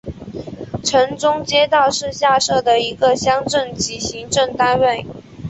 城中街道是下辖的一个乡镇级行政单位。